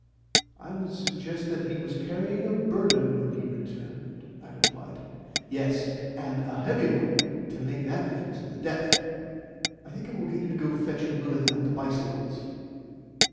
"It would suggest that he was carrying a burden when he returned," I replied. "Yes; and a heavy one, to make that difference in the depth. I think I will get you to go and fetch Willett and the bicycles."